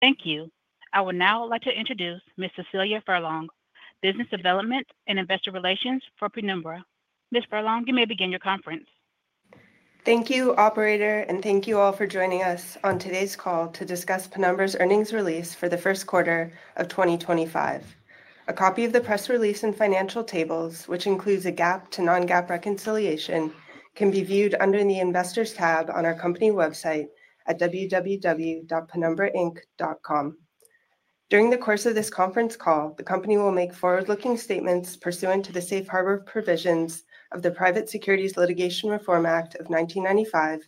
Thank you. I would now like to introduce Ms. Cecilia Furlong, Business Development and Investor Relations for Penumbra. Ms. Furlong, you may begin your conference. Thank you, Operator, and thank you all for joining us on today's call to discuss Penumbra's earnings release for the first quarter of 2025. A copy of the press release and financial tables, which includes a GAAP to non-GAAP reconciliation, can be viewed under the Investors tab on our company website at www.penumbrainc.com. During the course of this conference call, the company will make forward-looking statements pursuant to the safe harbor provisions of the Private Securities Litigation Reform Act of 1995,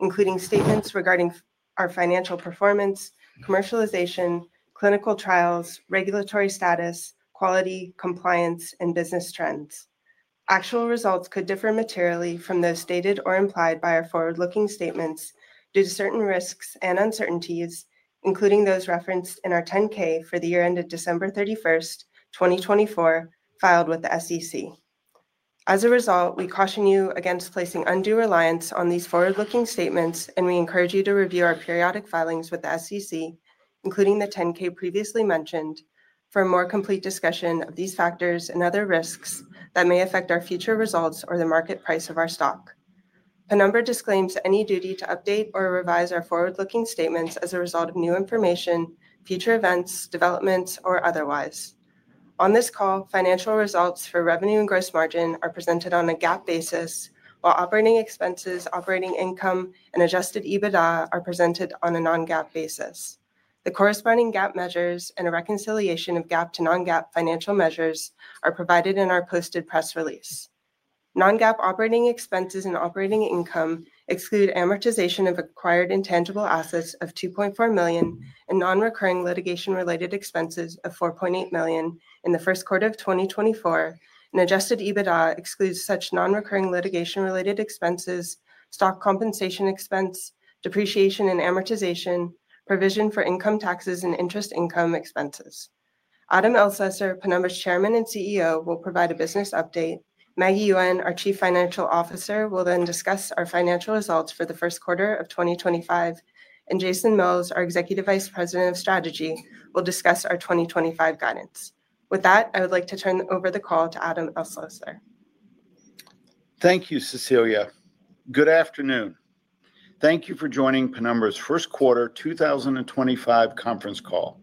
including statements regarding our financial performance, commercialization, clinical trials, regulatory status, quality, compliance, and business trends. Actual results could differ materially from those stated or implied by our forward-looking statements due to certain risks and uncertainties, including those referenced in our 10-K for the year ended December 31, 2024, filed with the SEC. As a result, we caution you against placing undue reliance on these forward-looking statements, and we encourage you to review our periodic filings with the SEC, including the 10-K previously mentioned, for a more complete discussion of these factors and other risks that may affect our future results or the market price of our stock. Penumbra disclaims any duty to update or revise our forward-looking statements as a result of new information, future events, developments, or otherwise. On this call, financial results for revenue and gross margin are presented on a GAAP basis, while operating expenses, operating income, and adjusted EBITDA are presented on a non-GAAP basis. The corresponding GAAP measures and a reconciliation of GAAP to non-GAAP financial measures are provided in our posted press release. Non-GAAP operating expenses and operating income exclude amortization of acquired intangible assets of $2.4 million and non-recurring litigation-related expenses of $4.8 million in the first quarter of 2024, and adjusted EBITDA excludes such non-recurring litigation-related expenses, stock compensation expense, depreciation and amortization, provision for income taxes and interest income expenses. Adam Elsesser, Penumbra's Chairman and CEO, will provide a business update. Maggie Yuen, our Chief Financial Officer, will then discuss our financial results for the first quarter of 2025, and Jason Mills, our Executive Vice President of Strategy, will discuss our 2025 guidance. With that, I would like to turn over the call to Adam Elsesser. Thank you, Cecilia. Good afternoon. Thank you for joining Penumbra's first quarter 2025 conference call.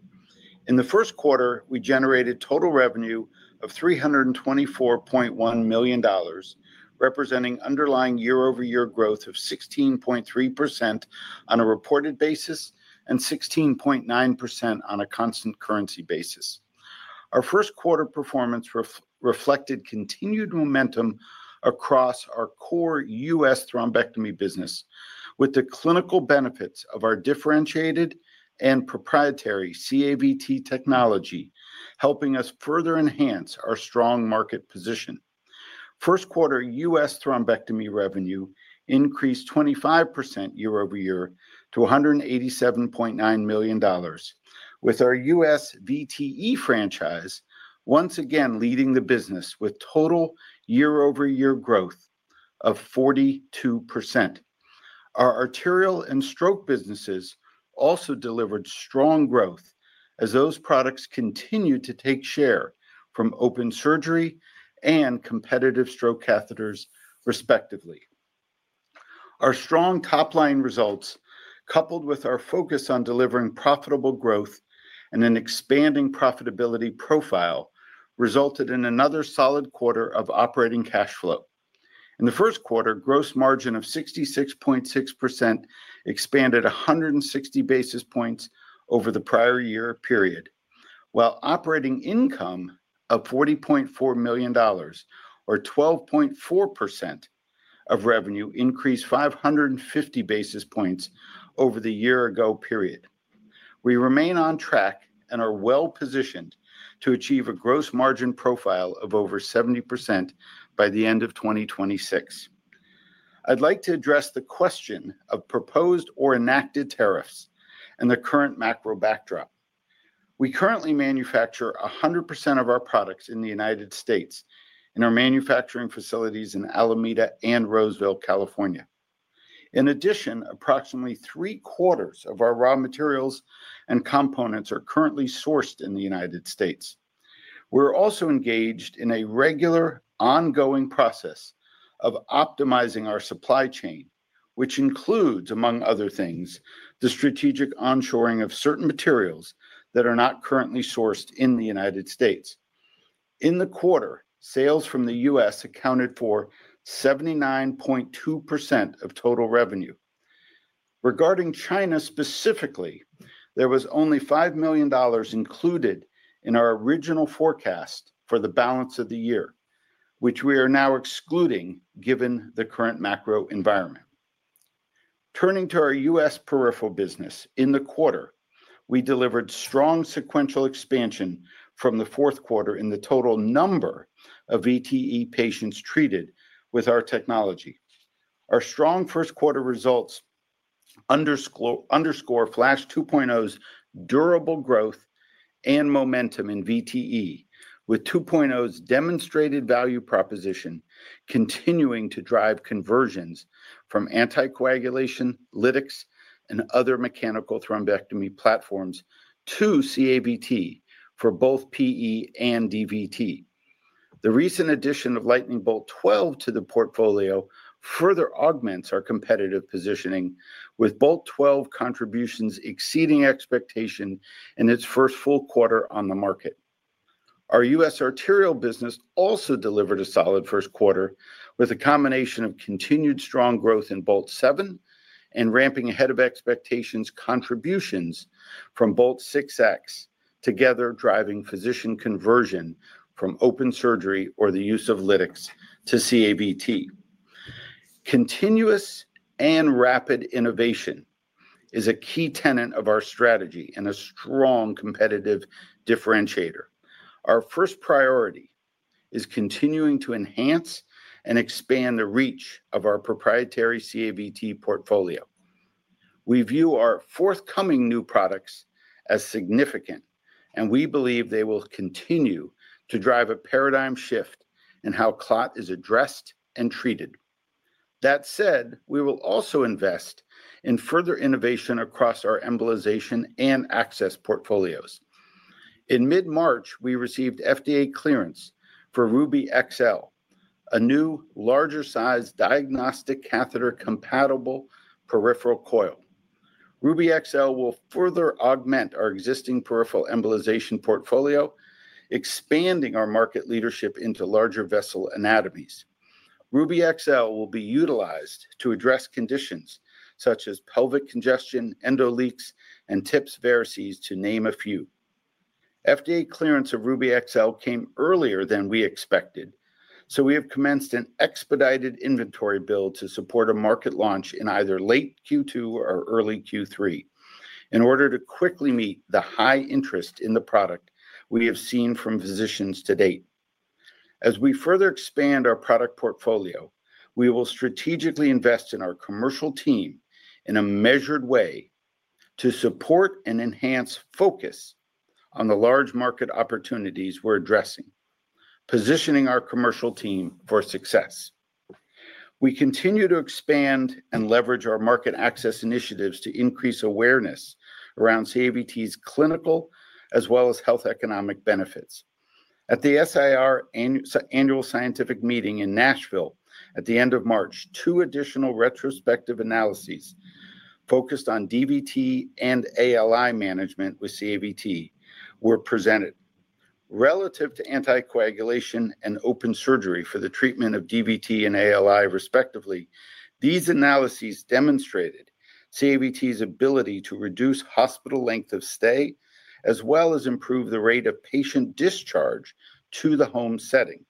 In the first quarter, we generated total revenue of $324.1 million, representing underlying year-over-year growth of 16.3% on a reported basis and 16.9% on a constant currency basis. Our first quarter performance reflected continued momentum across our core U.S. thrombectomy business, with the clinical benefits of our differentiated and proprietary CAVT technology helping us further enhance our strong market position. First quarter U.S. thrombectomy revenue increased 25% year-over-year to $187.9 million, with our U.S. VTE franchise once again leading the business with total year-over-year growth of 42%. Our arterial and stroke businesses also delivered strong growth as those products continue to take share from open surgery and competitive stroke catheters, respectively. Our strong top-line results, coupled with our focus on delivering profitable growth and an expanding profitability profile, resulted in another solid quarter of operating cash flow. In the first quarter, gross margin of 66.6% expanded 160 basis points over the prior year period, while operating income of $40.4 million, or 12.4% of revenue, increased 550 basis points over the year-ago period. We remain on track and are well-positioned to achieve a gross margin profile of over 70% by the end of 2026. I'd like to address the question of proposed or enacted tariffs and the current macro backdrop. We currently manufacture 100% of our products in the United States in our manufacturing facilities in Alameda and Roseville, California. In addition, approximately three-quarters of our raw materials and components are currently sourced in the United States. We're also engaged in a regular ongoing process of optimizing our supply chain, which includes, among other things, the strategic onshoring of certain materials that are not currently sourced in the U.S. In the quarter, sales from the U.S. accounted for 79.2% of total revenue. Regarding China specifically, there was only $5 million included in our original forecast for the balance of the year, which we are now excluding given the current macro environment. Turning to our U.S. peripheral business, in the quarter, we delivered strong sequential expansion from the fourth quarter in the total number of VTE patients treated with our technology. Our strong first quarter results underscore Flash 2.0's durable growth and momentum in VTE, with 2.0's demonstrated value proposition continuing to drive conversions from anticoagulation, lytics, and other mechanical thrombectomy platforms to CAVT for both PE and DVT. The recent addition of Lightning Bolt 12 to the portfolio further augments our competitive positioning, with Bolt 12 contributions exceeding expectation in its first full quarter on the market. Our U.S. arterial business also delivered a solid first quarter, with a combination of continued strong growth in Bolt 7 and ramping ahead of expectations contributions from Bolt 6X, together driving physician conversion from open surgery or the use of lytics to CAVT. Continuous and rapid innovation is a key tenet of our strategy and a strong competitive differentiator. Our first priority is continuing to enhance and expand the reach of our proprietary CAVT portfolio. We view our forthcoming new products as significant, and we believe they will continue to drive a paradigm shift in how clot is addressed and treated. That said, we will also invest in further innovation across our embolization and access portfolios. In mid-March, we received FDA clearance for Ruby XL, a new, larger-sized diagnostic catheter-compatible peripheral coil. Ruby XL will further augment our existing peripheral embolization portfolio, expanding our market leadership into larger vessel anatomies. Ruby XL will be utilized to address conditions such as pelvic congestion, endoleaks, and TIPS varices, to name a few. FDA clearance of Ruby XL came earlier than we expected, so we have commenced an expedited inventory build to support a market launch in either late Q2 or early Q3 in order to quickly meet the high interest in the product we have seen from physicians to date. As we further expand our product portfolio, we will strategically invest in our commercial team in a measured way to support and enhance focus on the large market opportunities we're addressing, positioning our commercial team for success. We continue to expand and leverage our market access initiatives to increase awareness around CAVT's clinical as well as health economic benefits. At the SIR Annual Scientific Meeting in Nashville at the end of March, two additional retrospective analyses focused on DVT and ALI management with CAVT were presented. Relative to anticoagulation and open surgery for the treatment of DVT and ALI, respectively, these analyses demonstrated CAVT's ability to reduce hospital length of stay as well as improve the rate of patient discharge to the home setting,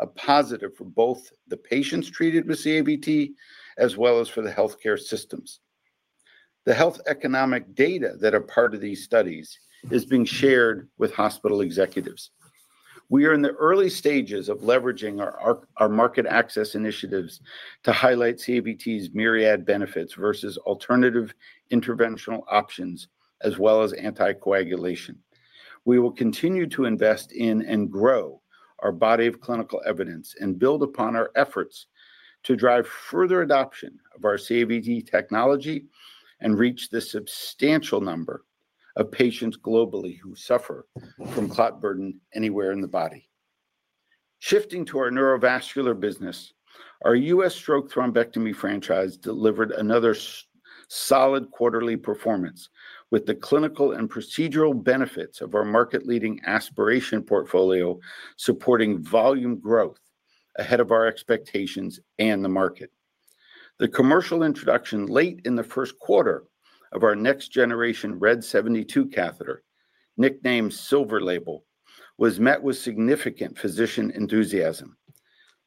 a positive for both the patients treated with CAVT as well as for the healthcare systems. The health economic data that are part of these studies is being shared with hospital executives. We are in the early stages of leveraging our market access initiatives to highlight CAVT's myriad benefits versus alternative interventional options as well as anticoagulation. We will continue to invest in and grow our body of clinical evidence and build upon our efforts to drive further adoption of our CAVT technology and reach the substantial number of patients globally who suffer from clot burden anywhere in the body. Shifting to our neurovascular business, our U.S. stroke thrombectomy franchise delivered another solid quarterly performance with the clinical and procedural benefits of our market-leading aspiration portfolio supporting volume growth ahead of our expectations and the market. The commercial introduction late in the first quarter of our next-generation RED 72 catheter, nicknamed Silver Label, was met with significant physician enthusiasm.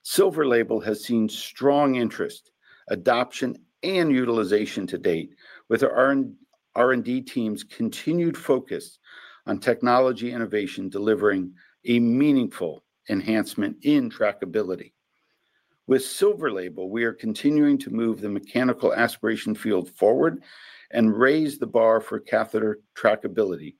Silver Label has seen strong interest, adoption, and utilization to date, with our R&D teams' continued focus on technology innovation delivering a meaningful enhancement in trackability. With Silver Label, we are continuing to move the mechanical aspiration field forward and raise the bar for catheter trackability,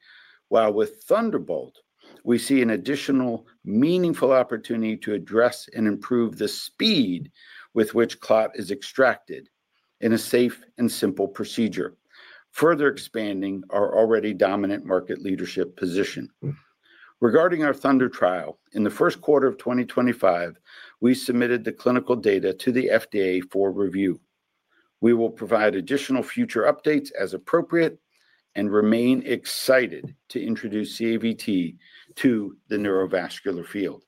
while with Thunderbolt, we see an additional meaningful opportunity to address and improve the speed with which clot is extracted in a safe and simple procedure, further expanding our already dominant market leadership position. Regarding our Thunder trial, in the first quarter of 2025, we submitted the clinical data to the FDA for review. We will provide additional future updates as appropriate and remain excited to introduce CAVT to the neurovascular field.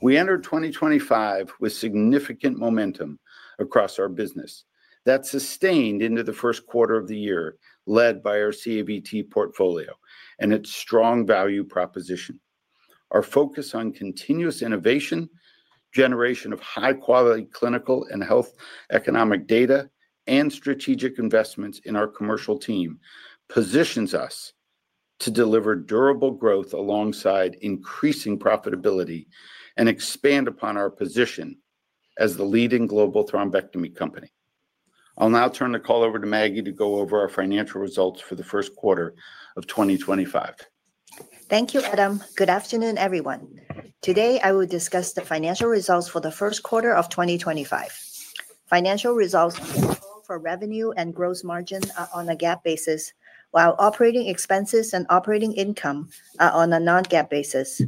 We entered 2025 with significant momentum across our business that sustained into the first quarter of the year led by our CAVT portfolio and its strong value proposition. Our focus on continuous innovation, generation of high-quality clinical and health economic data, and strategic investments in our commercial team positions us to deliver durable growth alongside increasing profitability and expand upon our position as the leading global thrombectomy company. I'll now turn the call over to Maggie to go over our financial results for the first quarter of 2025. Thank you, Adam. Good afternoon, everyone. Today, I will discuss the financial results for the first quarter of 2025. Financial results for revenue and gross margin are on a GAAP basis, while operating expenses and operating income are on a non-GAAP basis.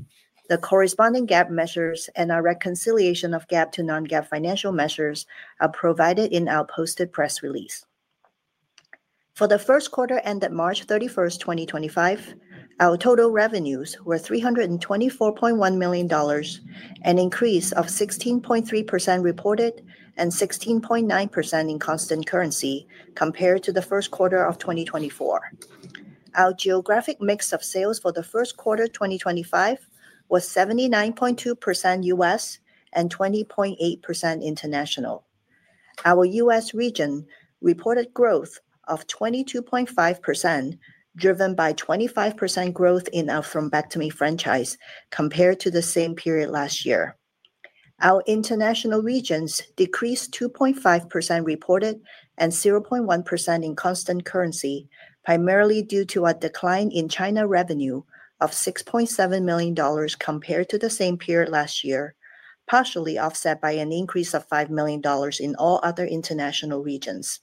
The corresponding GAAP measures and our reconciliation of GAAP to non-GAAP financial measures are provided in our posted press release. For the first quarter ended March 31, 2025, our total revenues were $324.1 million and an increase of 16.3% reported and 16.9% in constant currency compared to the first quarter of 2024. Our geographic mix of sales for the first quarter of 2025 was 79.2% U.S. and 20.8% international. Our U.S. region reported growth of 22.5%, driven by 25% growth in our thrombectomy franchise compared to the same period last year. Our international regions decreased 2.5% reported and 0.1% in constant currency, primarily due to a decline in China revenue of $6.7 million compared to the same period last year, partially offset by an increase of $5 million in all other international regions.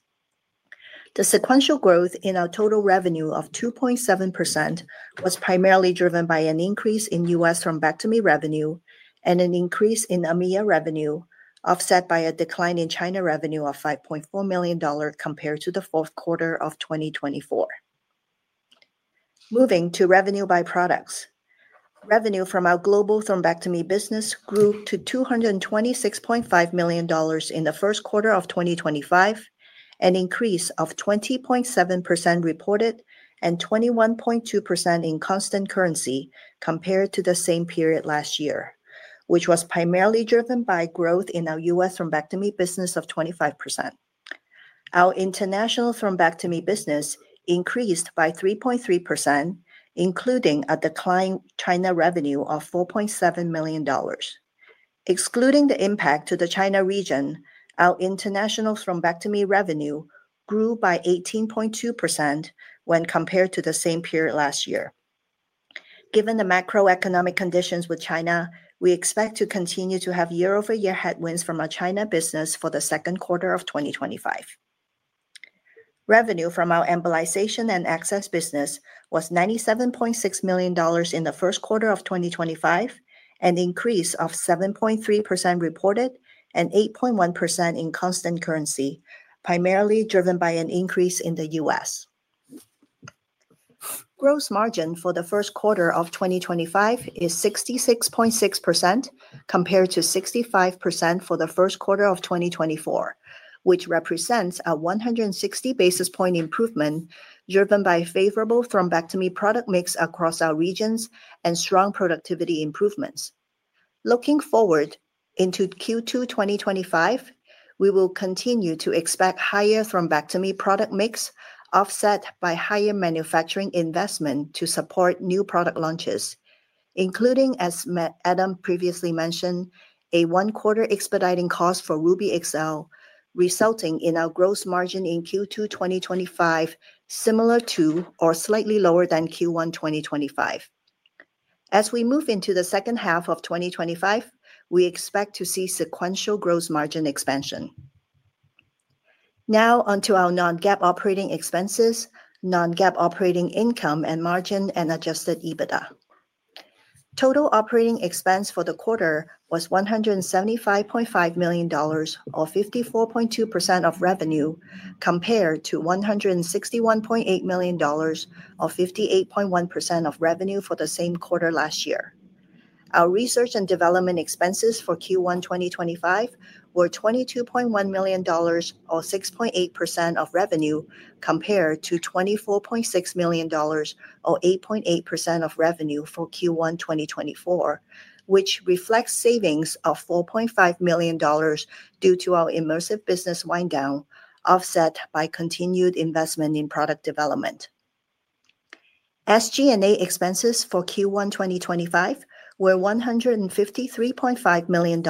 The sequential growth in our total revenue of 2.7% was primarily driven by an increase in U.S. thrombectomy revenue and an increase in EMEA revenue, offset by a decline in China revenue of $5.4 million compared to the fourth quarter of 2024. Moving to revenue by products, revenue from our global thrombectomy business grew to $226.5 million in the first quarter of 2025, an increase of 20.7% reported and 21.2% in constant currency compared to the same period last year, which was primarily driven by growth in our U.S. thrombectomy business of 25%. Our international thrombectomy business increased by 3.3%, including a declining China revenue of $4.7 million. Excluding the impact to the China region, our international thrombectomy revenue grew by 18.2% when compared to the same period last year. Given the macroeconomic conditions with China, we expect to continue to have year-over-year headwinds from our China business for the second quarter of 2025. Revenue from our embolization and access business was $97.6 million in the first quarter of 2025, an increase of 7.3% reported and 8.1% in constant currency, primarily driven by an increase in the U.S. Gross margin for the first quarter of 2025 is 66.6% compared to 65% for the first quarter of 2024, which represents a 160 basis point improvement driven by favorable thrombectomy product mix across our regions and strong productivity improvements. Looking forward into Q2 2025, we will continue to expect higher thrombectomy product mix, offset by higher manufacturing investment to support new product launches, including, as Adam previously mentioned, a one-quarter expediting cost for Ruby XL, resulting in our gross margin in Q2 2025 similar to or slightly lower than Q1 2025. As we move into the second half of 2025, we expect to see sequential gross margin expansion. Now onto our non-GAAP operating expenses, non-GAAP operating income and margin, and adjusted EBITDA. Total operating expense for the quarter was $175.5 million or 54.2% of revenue compared to $161.8 million or 58.1% of revenue for the same quarter last year. Our research and development expenses for Q1 2025 were $22.1 million or 6.8% of revenue compared to $24.6 million or 8.8% of revenue for Q1 2024, which reflects savings of $4.5 million due to our immersive business wind down, offset by continued investment in product development. SG&A expenses for Q1 2025 were $153.5 million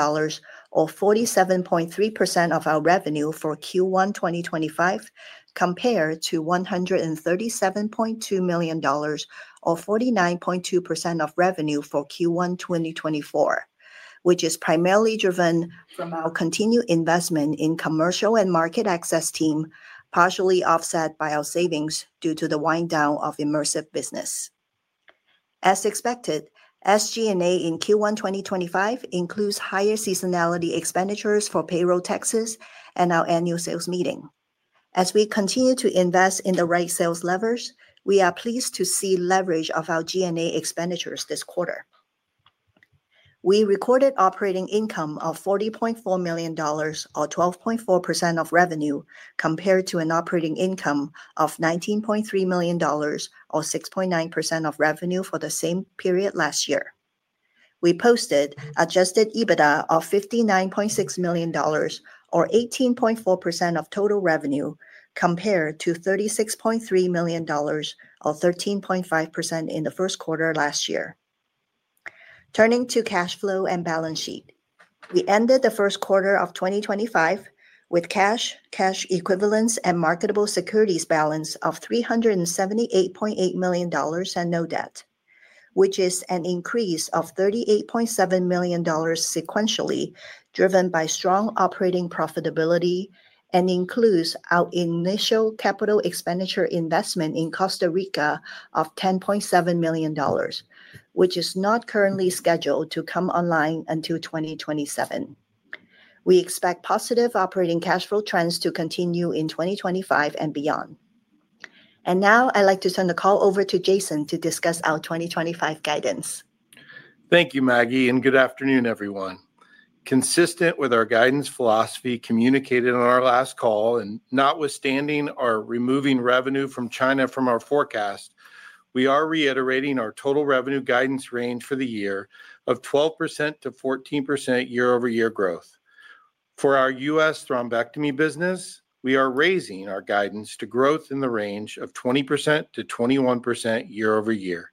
or 47.3% of our revenue for Q1 2025 compared to $137.2 million or 49.2% of revenue for Q1 2024, which is primarily driven from our continued investment in the commercial and market access team, partially offset by our savings due to the wind down of immersive business. As expected, SG&A in Q1 2025 includes higher seasonality expenditures for payroll taxes and our annual sales meeting. As we continue to invest in the right sales levers, we are pleased to see leverage of our G&A expenditures this quarter. We recorded operating income of $40.4 million or 12.4% of revenue compared to an operating income of $19.3 million or 6.9% of revenue for the same period last year. We posted adjusted EBITDA of $59.6 million or 18.4% of total revenue compared to $36.3 million or 13.5% in the first quarter last year. Turning to cash flow and balance sheet, we ended the first quarter of 2025 with cash, cash equivalents, and marketable securities balance of $378.8 million and no debt, which is an increase of $38.7 million sequentially driven by strong operating profitability and includes our initial capital expenditure investment in Costa Rica of $10.7 million, which is not currently scheduled to come online until 2027. We expect positive operating cash flow trends to continue in 2025 and beyond. Now I'd like to turn the call over to Jason to discuss our 2025 guidance. Thank you, Maggie, and good afternoon, everyone. Consistent with our guidance philosophy communicated on our last call and notwithstanding our removing revenue from China from our forecast, we are reiterating our total revenue guidance range for the year of 12%-14% year-over-year growth. For our U.S. thrombectomy business, we are raising our guidance to growth in the range of 20%-21% year-over-year.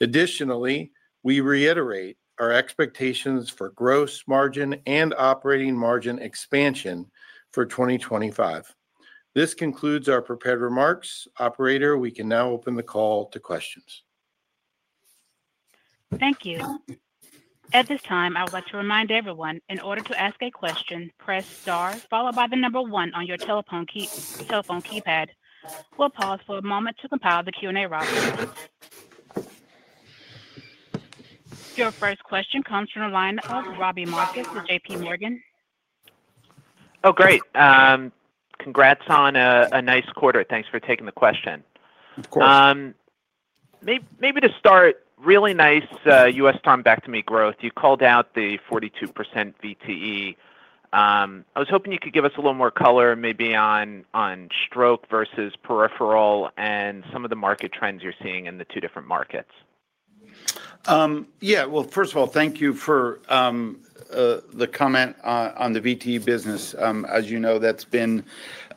Additionally, we reiterate our expectations for gross margin and operating margin expansion for 2025. This concludes our prepared remarks. Operator, we can now open the call to questions. Thank you. At this time, I would like to remind everyone, in order to ask a question, press star followed by the number one on your telephone keypad. We'll pause for a moment to compile the Q&A roster. Your first question comes from the line of Robbie Marcus at JPMorgan. Oh, great. Congrats on a nice quarter. Thanks for taking the question. Of course. Maybe to start, really nice U.S. thrombectomy growth. You called out the 42% VTE. I was hoping you could give us a little more color maybe on stroke versus peripheral and some of the market trends you're seeing in the two different markets. Yeah. First of all, thank you for the comment on the VTE business. As you know, that's been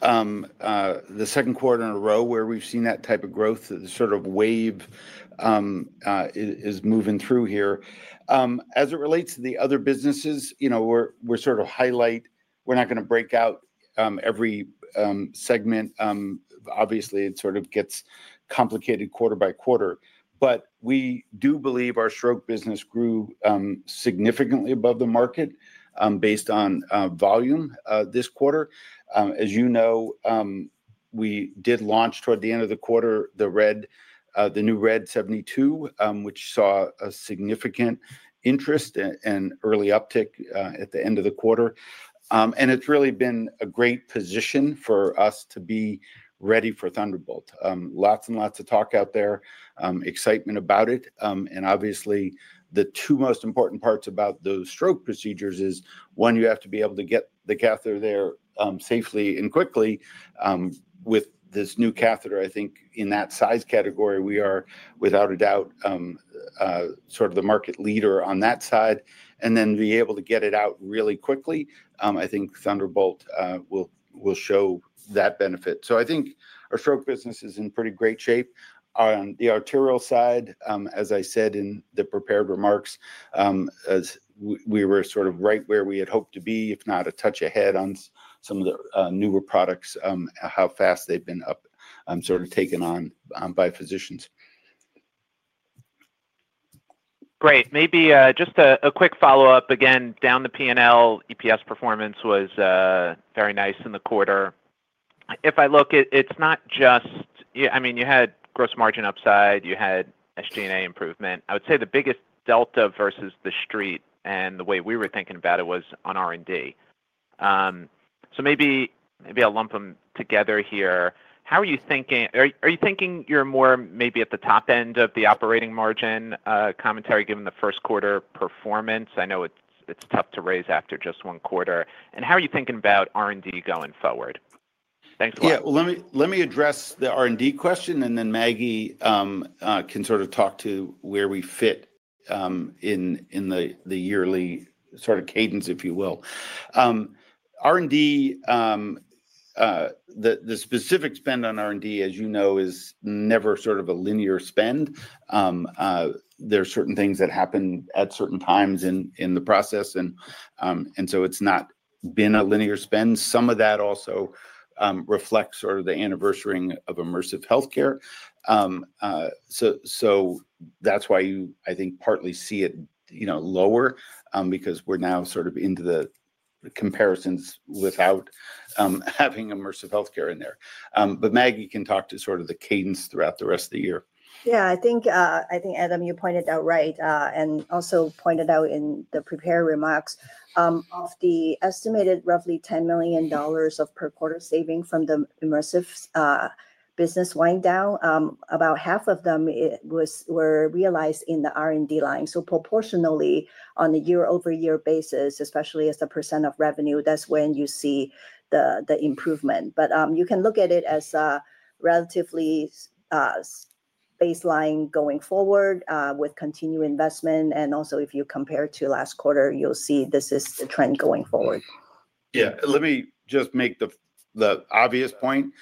the second quarter in a row where we've seen that type of growth. The sort of wave is moving through here. As it relates to the other businesses, we sort of highlight. We're not going to break out every segment. Obviously, it sort of gets complicated quarter by quarter. We do believe our stroke business grew significantly above the market based on volume this quarter. As you know, we did launch toward the end of the quarter the new RED 72, which saw significant interest and early uptick at the end of the quarter. It's really been a great position for us to be ready for Thunderbolt. Lots and lots of talk out there, excitement about it. Obviously, the two most important parts about those stroke procedures is, one, you have to be able to get the catheter there safely and quickly. With this new catheter, I think in that size category, we are, without a doubt, sort of the market leader on that side. To be able to get it out really quickly, I think Thunderbolt will show that benefit. I think our stroke business is in pretty great shape. On the arterial side, as I said in the prepared remarks, we were sort of right where we had hoped to be, if not a touch ahead on some of the newer products, how fast they've been sort of taken on by physicians. Great. Maybe just a quick follow-up. Again, down the P&L, EPS performance was very nice in the quarter. If I look, it's not just, I mean, you had gross margin upside, you had SG&A improvement. I would say the biggest delta versus the street and the way we were thinking about it was on R&D. Maybe I'll lump them together here. How are you thinking? Are you thinking you're more maybe at the top end of the operating margin commentary given the first quarter performance? I know it's tough to raise after just one quarter. How are you thinking about R&D going forward? Thanks a lot. Yeah. Let me address the R&D question, and then Maggie can sort of talk to where we fit in the yearly sort of cadence, if you will. R&D, the specific spend on R&D, as you know, is never sort of a linear spend. There are certain things that happen at certain times in the process, and so it's not been a linear spend. Some of that also reflects sort of the anniversary of immersive healthcare. That's why I think partly see it lower because we're now sort of into the comparisons without having immersive healthcare in there. Maggie can talk to sort of the cadence throughout the rest of the year. Yeah. I think, Adam, you pointed out right and also pointed out in the prepared remarks of the estimated roughly $10 million of per quarter saving from the immersive business wind down, about half of them were realized in the R&D line. So proportionally, on a year-over-year basis, especially as a percent of revenue, that's when you see the improvement. You can look at it as relatively baseline going forward with continued investment. Also, if you compare to last quarter, you'll see this is the trend going forward. Yeah. Let me just make the obvious point.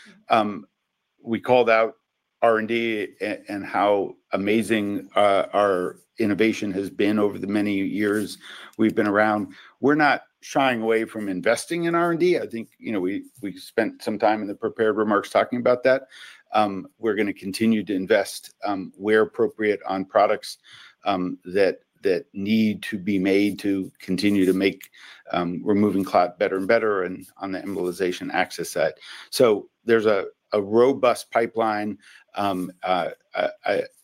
We called out R&D and how amazing our innovation has been over the many years we've been around. We're not shying away from investing in R&D. I think we spent some time in the prepared remarks talking about that. We're going to continue to invest where appropriate on products that need to be made to continue to make removing clot better and better and on the embolization access side. There is a robust pipeline.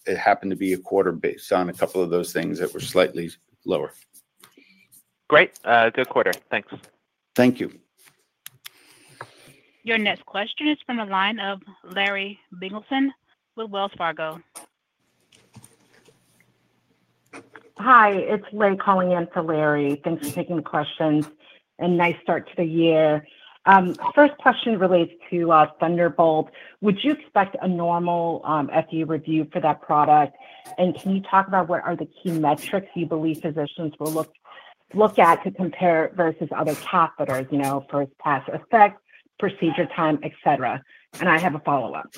It happened to be a quarter based on a couple of those things that were slightly lower. Great. Good quarter. Thanks. Thank you. Your next question is from the line of Larry Biegelsen with Wells Fargo. Hi. It's Lay calling in for Larry. Thanks for taking the questions and nice start to the year. First question relates to Thunderbolt. Would you expect a normal FDA review for that product? Can you talk about what are the key metrics you believe physicians will look at to compare versus other catheters, first pass effect, procedure time, etc.? I have a follow-up.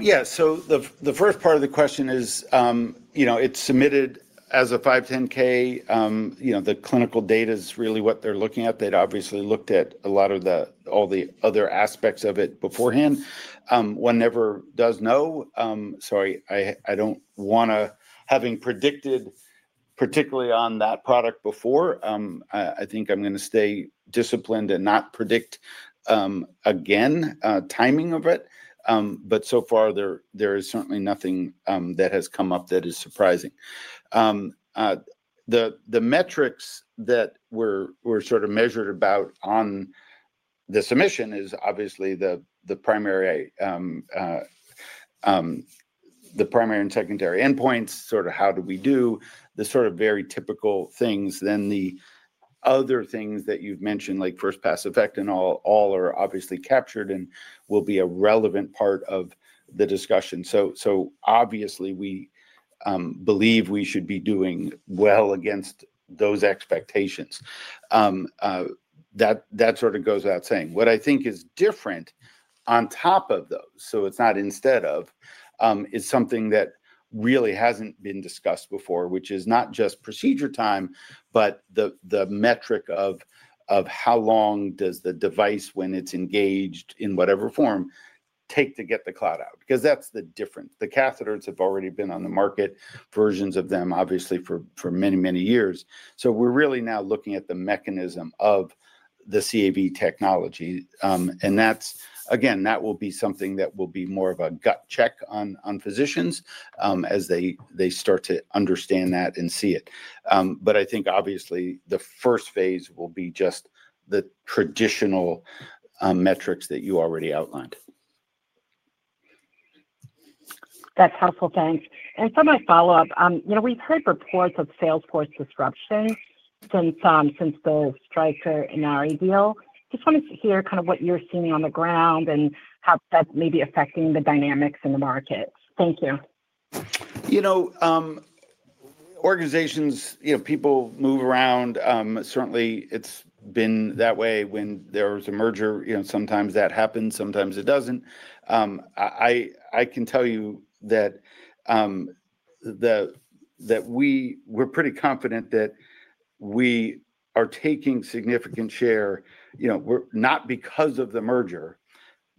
Yeah. The first part of the question is it's submitted as a 510(k). The clinical data is really what they're looking at. They'd obviously looked at a lot of all the other aspects of it beforehand. One never does know. I don't want to have been predicted particularly on that product before. I think I'm going to stay disciplined and not predict again timing of it. So far, there is certainly nothing that has come up that is surprising. The metrics that were sort of measured about on the submission is obviously the primary and secondary endpoints, sort of how do we do the sort of very typical things. The other things that you've mentioned, like first pass effect, and all are obviously captured and will be a relevant part of the discussion. Obviously, we believe we should be doing well against those expectations. That sort of goes without saying. What I think is different on top of those, so it's not instead of, is something that really hasn't been discussed before, which is not just procedure time, but the metric of how long does the device, when it's engaged in whatever form, take to get the clot out? Because that's the difference. The catheters have already been on the market, versions of them, obviously, for many, many years. So we're really now looking at the mechanism of the CAV technology. And again, that will be something that will be more of a gut check on physicians as they start to understand that and see it. But I think, obviously, the first phase will be just the traditional metrics that you already outlined. That's helpful. Thanks. For my follow-up, we've heard reports of sales force disruption since the Stryker and Inari deal. Just wanted to hear kind of what you're seeing on the ground and how that's maybe affecting the dynamics in the market. Thank you. Organizations, people move around. Certainly, it's been that way when there was a merger. Sometimes that happens. Sometimes it doesn't. I can tell you that we're pretty confident that we are taking significant share, not because of the merger,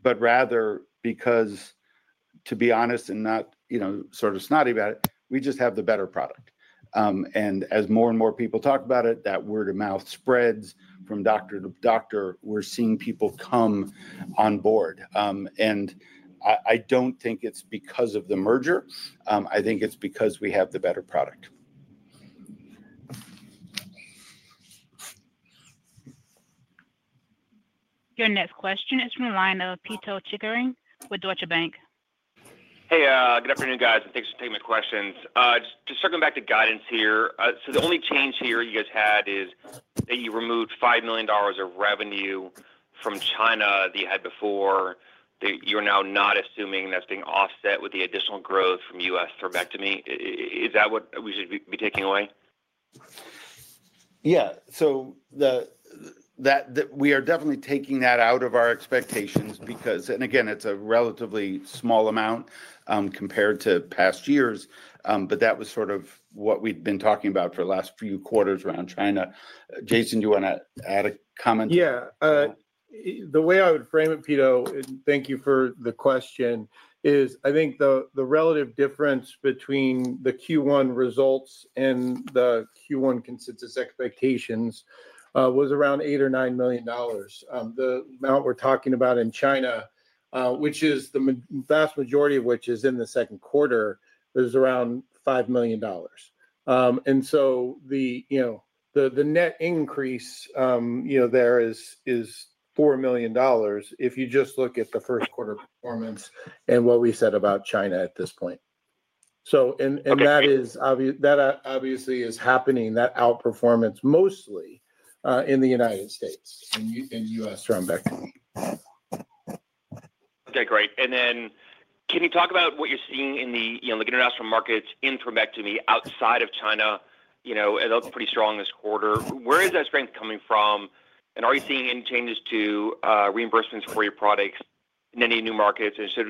but rather because, to be honest and not sort of snotty about it, we just have the better product. As more and more people talk about it, that word of mouth spreads from doctor to doctor. We're seeing people come on board. I don't think it's because of the merger. I think it's because we have the better product. Your next question is from the line of Pito Chickering, with Deutsche Bank. Hey, good afternoon, guys. Thanks for taking my questions. Just circling back to guidance here. The only change here you guys had is that you removed $5 million of revenue from China that you had before. You're now not assuming that's being offset with the additional growth from U.S. thrombectomy. Is that what we should be taking away? Yeah. We are definitely taking that out of our expectations because, and again, it's a relatively small amount compared to past years, but that was sort of what we'd been talking about for the last few quarters around China. Jason, do you want to add a comment? Yeah. The way I would frame it, Pete, and thank you for the question, is I think the relative difference between the Q1 results and the Q1 consensus expectations was around $8 million or $9 million. The amount we're talking about in China, which is the vast majority of which is in the second quarter, is around $5 million. The net increase there is $4 million if you just look at the first quarter performance and what we said about China at this point. That obviously is happening, that outperformance mostly in the United States and U.S. thrombectomy. Okay. Great. Can you talk about what you're seeing in the international markets in thrombectomy outside of China? It looked pretty strong this quarter. Where is that strength coming from? Are you seeing any changes to reimbursements for your products in any new markets? Should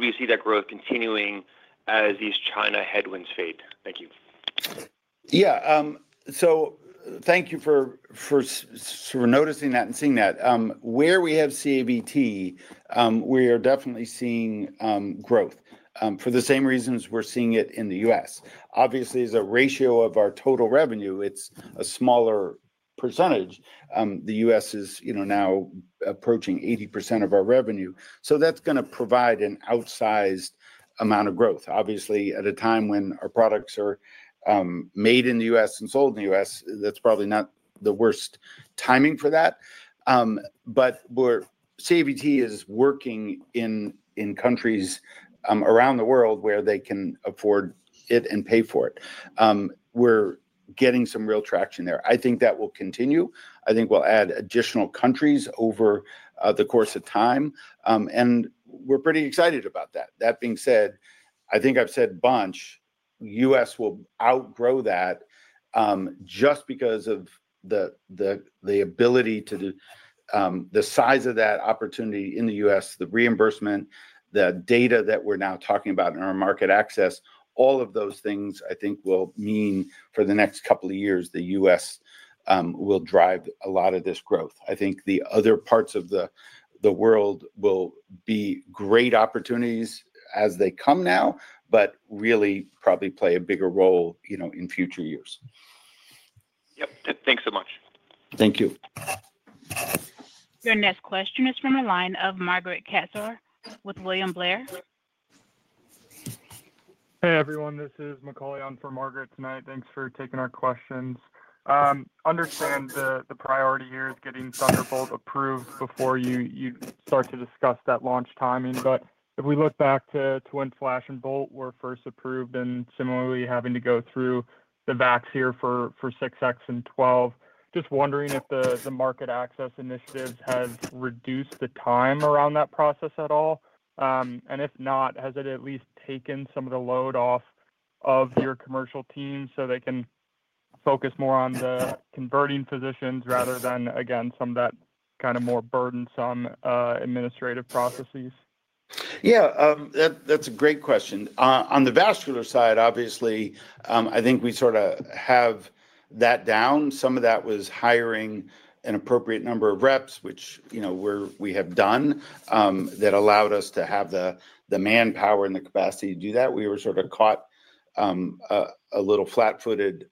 we see that growth continuing as these China headwinds fade? Thank you. Yeah. Thank you for sort of noticing that and seeing that. Where we have CAVT, we are definitely seeing growth for the same reasons we're seeing it in the U.S. Obviously, as a ratio of our total revenue, it's a smaller percentage. The U.S. is now approaching 80% of our revenue. That's going to provide an outsized amount of growth. Obviously, at a time when our products are made in the U.S. and sold in the U.S., that's probably not the worst timing for that. CAVT is working in countries around the world where they can afford it and pay for it. We're getting some real traction there. I think that will continue. I think we'll add additional countries over the course of time. We're pretty excited about that. That being said, I think I've said a bunch, U.S. will outgrow that just because of the ability to the size of that opportunity in the U.S., the reimbursement, the data that we're now talking about in our market access, all of those things I think will mean for the next couple of years the U.S. will drive a lot of this growth. I think the other parts of the world will be great opportunities as they come now, but really probably play a bigger role in future years. Yep. Thanks so much. Thank you. Your next question is from the line of Margaret Kaczor with William Blair. Hey, everyone. This is McKinley on for Margaret tonight. Thanks for taking our questions. I understand the priority here is getting Thunderbolt approved before you start to discuss that launch timing. If we look back to when Flash and Bolt were first approved and similarly having to go through the VAX here for 6X and 12, just wondering if the market access initiatives have reduced the time around that process at all. If not, has it at least taken some of the load off of your commercial team so they can focus more on the converting physicians rather than, again, some of that kind of more burdensome administrative processes? Yeah. That's a great question. On the vascular side, obviously, I think we sort of have that down. Some of that was hiring an appropriate number of reps, which we have done that allowed us to have the manpower and the capacity to do that. We were sort of caught a little flat-footed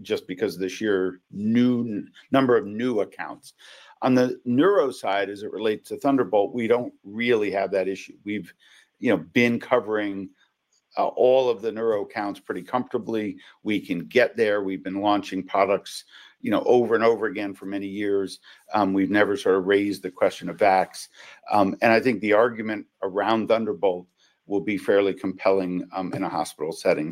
just because of this year's number of new accounts. On the neuro side, as it relates to Thunderbolt, we don't really have that issue. We've been covering all of the neuro accounts pretty comfortably. We can get there. We've been launching products over and over again for many years. We've never sort of raised the question of VAX. I think the argument around Thunderbolt will be fairly compelling in a hospital setting.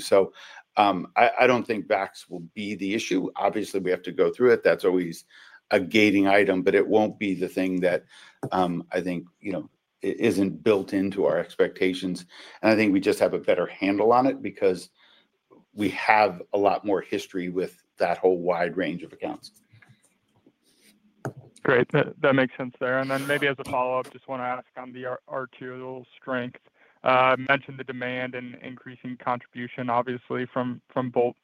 I don't think VAX will be the issue. Obviously, we have to go through it. That's always a gating item, but it won't be the thing that I think isn't built into our expectations. I think we just have a better handle on it because we have a lot more history with that whole wide range of accounts. Great. That makes sense there. Maybe as a follow-up, just want to ask on the Arterial strength. You mentioned the demand and increasing contribution, obviously, from both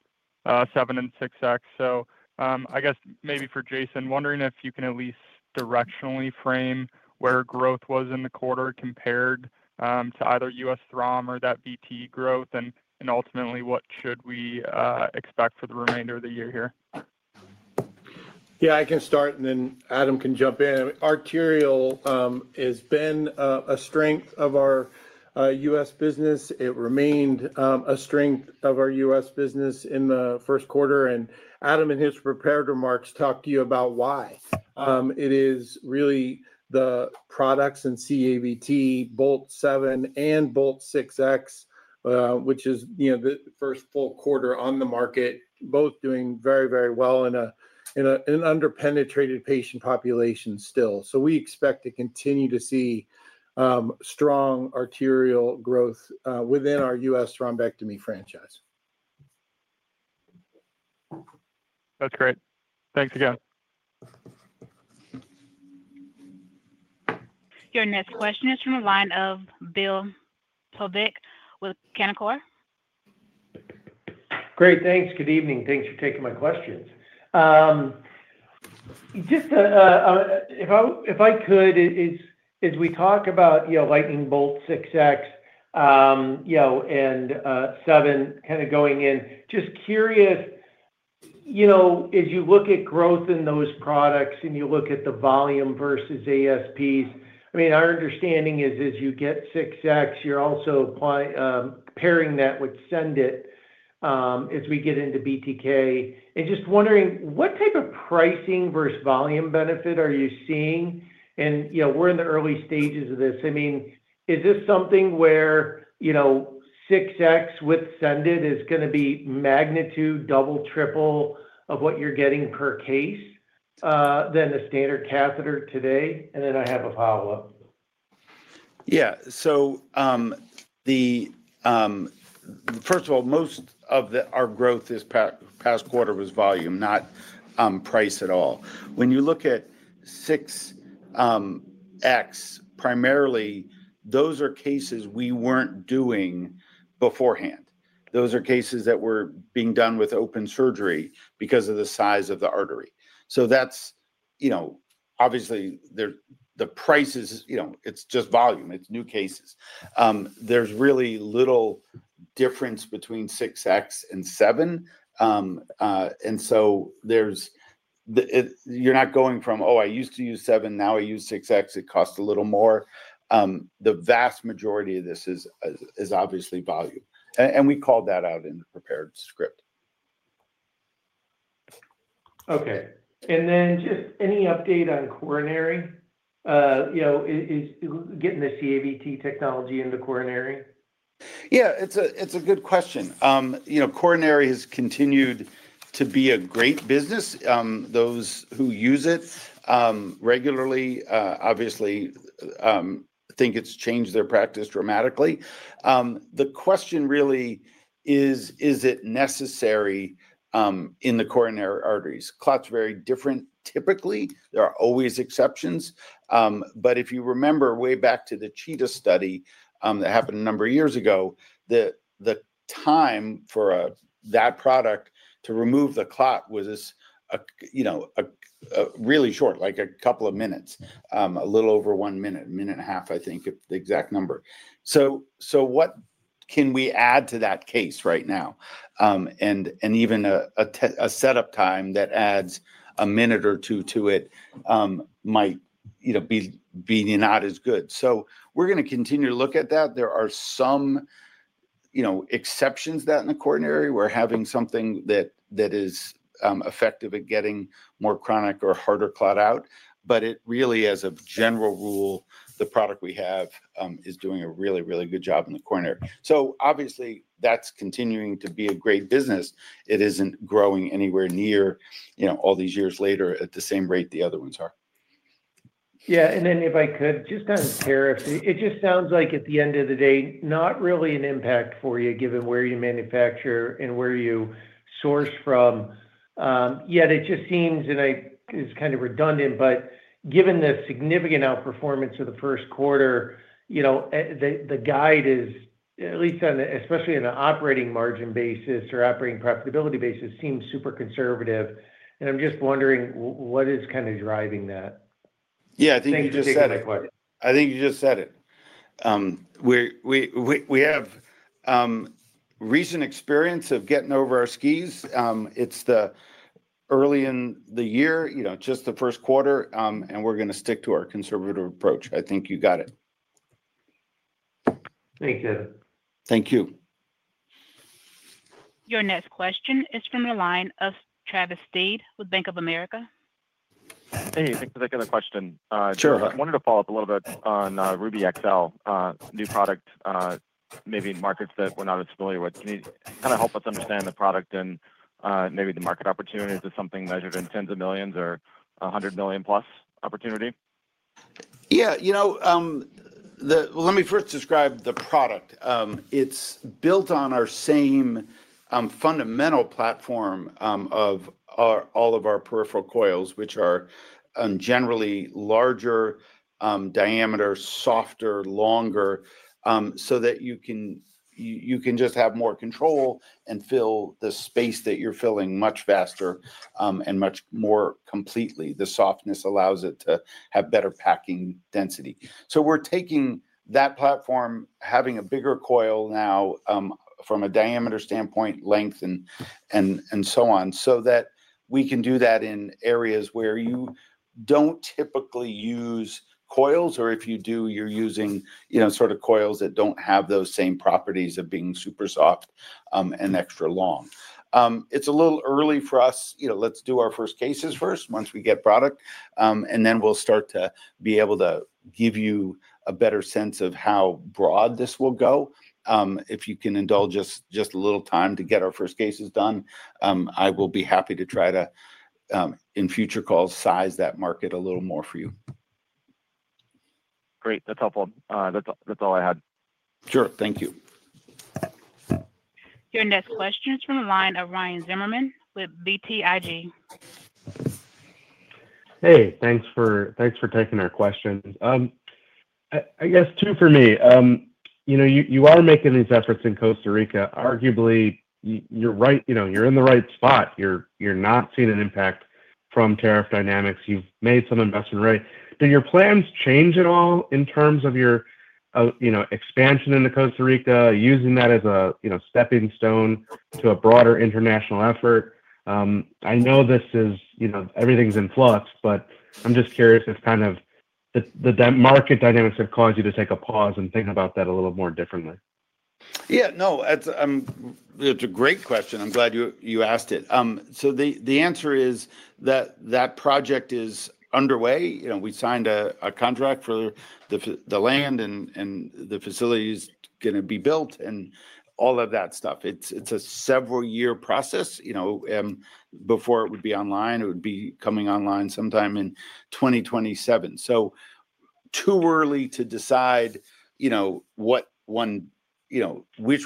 7 and 6X. I guess maybe for Jason, wondering if you can at least directionally frame where growth was in the quarter compared to either U.S. throm or that VT growth, and ultimately, what should we expect for the remainder of the year here? Yeah. I can start, and then Adam can jump in. Arterial has been a strength of our U.S. business. It remained a strength of our U.S. business in the first quarter. Adam and his prepared remarks talked to you about why. It is really the products and CAVT, Bolt 7 and Bolt 6X, which is the first full quarter on the market, both doing very, very well in an underpenetrated patient population still. We expect to continue to see strong arterial growth within our U.S. thrombectomy franchise. That's great. Thanks again. Your next question is from the line of Bill Plovanic with Canaccord. Great. Thanks. Good evening. Thanks for taking my questions. Just if I could, as we talk about Lightning Bolt 6X and 7 kind of going in, just curious, as you look at growth in those products and you look at the volume versus ASPs, I mean, our understanding is as you get 6X, you're also pairing that with SendIt as we get into BTK. I mean, just wondering, what type of pricing versus volume benefit are you seeing? We're in the early stages of this. I mean, is this something where 6X with SendIt is going to be magnitude, double, triple of what you're getting per case than the standard catheter today? I have a follow-up. Yeah. First of all, most of our growth this past quarter was volume, not price at all. When you look at 6X primarily, those are cases we were not doing beforehand. Those are cases that were being done with open surgery because of the size of the artery. Obviously, the price is just volume. It is new cases. There is really little difference between 6X and 7. You are not going from, "Oh, I used to use 7. Now I use 6X. It costs a little more." The vast majority of this is obviously volume. We called that out in the prepared script. Okay. Any update on coronary? Getting the CAVT technology into coronary? Yeah. It's a good question. Coronary has continued to be a great business. Those who use it regularly obviously think it's changed their practice dramatically. The question really is, is it necessary in the coronary arteries? Clots are very different typically. There are always exceptions. If you remember way back to the CHEETA study that happened a number of years ago, the time for that product to remove the clot was really short, like a couple of minutes, a little over one minute, a minute and a half, I think, the exact number. What can we add to that case right now? Even a setup time that adds a minute or two to it might be not as good. We're going to continue to look at that. There are some exceptions that in the coronary, we're having something that is effective at getting more chronic or harder clot out. Really, as a general rule, the product we have is doing a really, really good job in the coronary. Obviously, that's continuing to be a great business. It isn't growing anywhere near all these years later at the same rate the other ones are. Yeah. If I could, just on tariffs, it just sounds like at the end of the day, not really an impact for you given where you manufacture and where you source from. Yet it just seems, and it's kind of redundant, but given the significant outperformance of the first quarter, the guide is, at least especially on an operating margin basis or operating profitability basis, seems super conservative. I'm just wondering what is kind of driving that? Yeah. I think you just said it. We have recent experience of getting over our skis. It's early in the year, just the first quarter, and we're going to stick to our conservative approach. I think you got it. Thank you. Thank you. Your next question is from the line of Travis Steed with Bank of America. Hey, thanks for the question. I wanted to follow up a little bit on Ruby XL, new product, maybe markets that we're not as familiar with. Can you kind of help us understand the product and maybe the market opportunity? Is this something measured in tens of millions or a hundred million-plus opportunity? Yeah. Let me first describe the product. It's built on our same fundamental platform of all of our peripheral coils, which are generally larger diameter, softer, longer, so that you can just have more control and fill the space that you're filling much faster and much more completely. The softness allows it to have better packing density. We're taking that platform, having a bigger coil now from a diameter standpoint, length, and so on, so that we can do that in areas where you don't typically use coils, or if you do, you're using sort of coils that don't have those same properties of being super soft and extra long. It's a little early for us. Let's do our first cases first once we get product, and then we'll start to be able to give you a better sense of how broad this will go. If you can indulge us just a little time to get our first cases done, I will be happy to try to, in future calls, size that market a little more for you. Great. That's helpful. That's all I had. Sure. Thank you. Your next question is from the line of Ryan Zimmerman with BTIG. Hey, thanks for taking our questions. I guess two for me. You are making these efforts in Costa Rica. Arguably, you're in the right spot. You're not seeing an impact from tariff dynamics. You've made some investment, right? Do your plans change at all in terms of your expansion into Costa Rica, using that as a stepping stone to a broader international effort? I know this is everything's in flux, but I'm just curious if kind of the market dynamics have caused you to take a pause and think about that a little more differently. Yeah. No, it's a great question. I'm glad you asked it. The answer is that that project is underway. We signed a contract for the land, and the facility is going to be built and all of that stuff. It's a several-year process. Before it would be online, it would be coming online sometime in 2027. Too early to decide which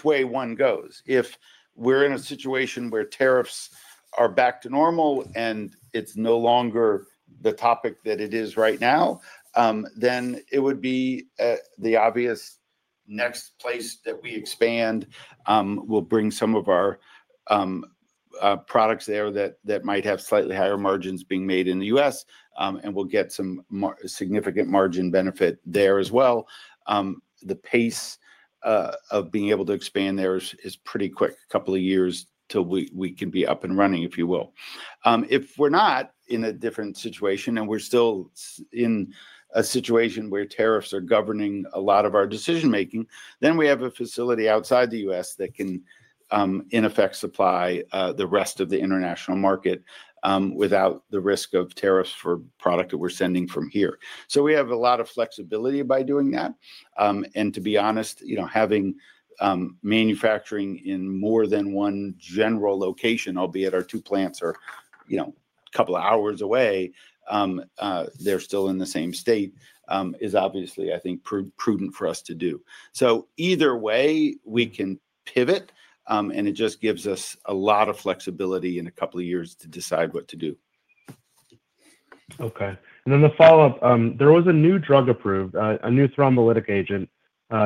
way one goes. If we're in a situation where tariffs are back to normal and it's no longer the topic that it is right now, then it would be the obvious next place that we expand. We'll bring some of our products there that might have slightly higher margins being made in the U.S., and we'll get some significant margin benefit there as well. The pace of being able to expand there is pretty quick, a couple of years till we can be up and running, if you will. If we're not in a different situation and we're still in a situation where tariffs are governing a lot of our decision-making, then we have a facility outside the U.S. that can in effect supply the rest of the international market without the risk of tariffs for product that we're sending from here. We have a lot of flexibility by doing that. To be honest, having manufacturing in more than one general location, albeit our two plants are a couple of hours away, they're still in the same state, is obviously, I think, prudent for us to do. Either way, we can pivot, and it just gives us a lot of flexibility in a couple of years to decide what to do. Okay. The follow-up, there was a new drug approved, a new thrombolytic agent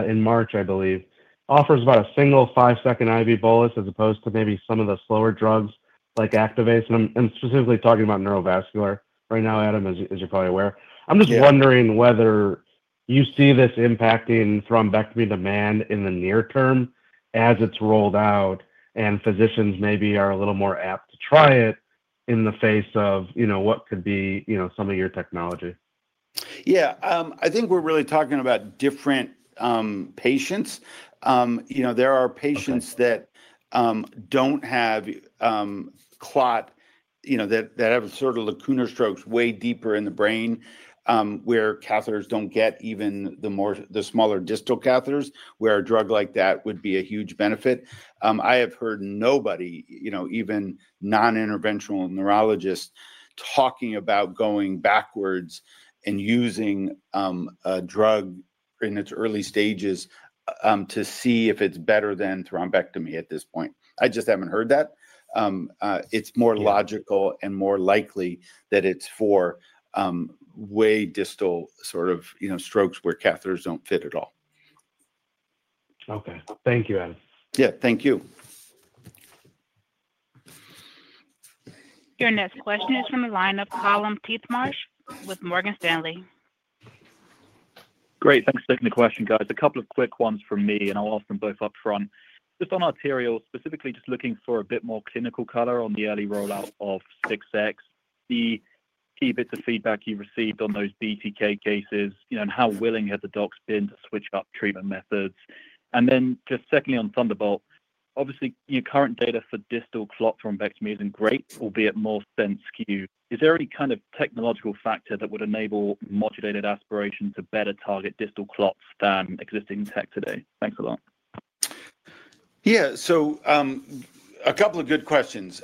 in March, I believe, offers about a single five-second IV bolus as opposed to maybe some of the slower drugs like Activase. I'm specifically talking about neurovascular right now, Adam, as you're probably aware. I'm just wondering whether you see this impacting thrombectomy demand in the near term as it's rolled out and physicians maybe are a little more apt to try it in the face of what could be some of your technology. Yeah. I think we're really talking about different patients. There are patients that don't have clot that have sort of lacunar strokes way deeper in the brain where catheters don't get even the smaller distal catheters, where a drug like that would be a huge benefit. I have heard nobody, even non-interventional neurologists, talking about going backwards and using a drug in its early stages to see if it's better than thrombectomy at this point. I just haven't heard that. It's more logical and more likely that it's for way distal sort of strokes where catheters don't fit at all. Okay. Thank you, Adam. Yeah. Thank you. Your next question is from the line of Clayton Marsh with Morgan Stanley. Great. Thanks for taking the question, guys. A couple of quick ones from me, and I'll ask them both upfront. Just on arterial, specifically just looking for a bit more clinical color on the early rollout of 6X, the key bits of feedback you received on those BTK cases and how willing have the docs been to switch up treatment methods. Just secondly on Thunderbolt, obviously, your current data for distal clot thrombectomy isn't great, albeit more sensed skew. Is there any kind of technological factor that would enable modulated aspiration to better target distal clots than existing tech today? Thanks a lot. Yeah. A couple of good questions.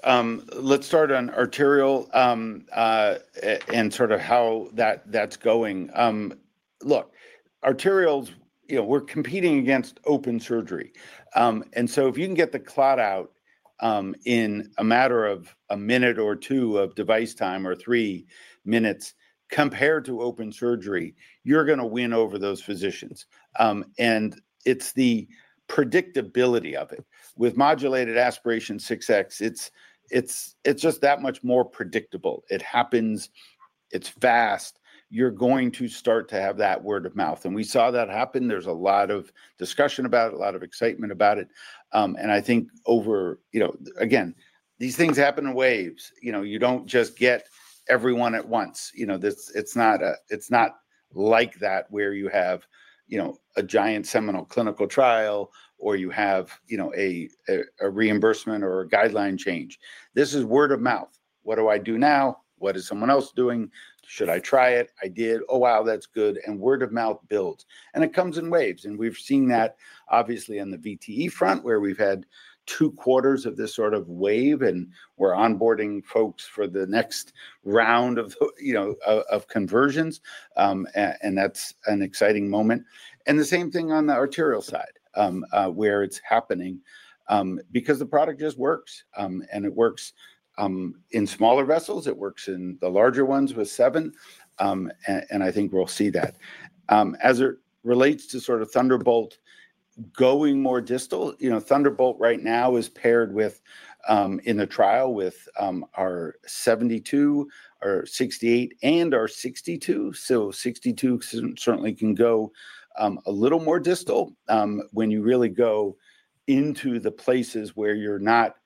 Let's start on arterial and sort of how that's going. Look, arterials, we're competing against open surgery. If you can get the clot out in a matter of a minute or two of device time or three minutes compared to open surgery, you're going to win over those physicians. It's the predictability of it. With modulated aspiration 6X, it's just that much more predictable. It happens. It's fast. You're going to start to have that word of mouth. We saw that happen. There's a lot of discussion about it, a lot of excitement about it. I think over again, these things happen in waves. You don't just get everyone at once. It's not like that where you have a giant seminal clinical trial or you have a reimbursement or a guideline change. This is word of mouth. What do I do now? What is someone else doing? Should I try it? I did. Oh, wow, that's good. Word of mouth builds. It comes in waves. We have seen that obviously on the VTE front where we have had two quarters of this sort of wave, and we are onboarding folks for the next round of conversions. That is an exciting moment. The same thing on the arterial side is happening because the product just works. It works in smaller vessels. It works in the larger ones with seven. I think we will see that. As it relates to Thunderbolt going more distal, Thunderbolt right now is paired in a trial with our 72, our 68, and our 62. Sixty-two certainly can go a little more distal. When you really go into the places where you're not